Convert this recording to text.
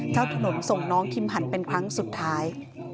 เจ้าถนนส่งน้องคิมหันเป็นครั้งสุดท้าย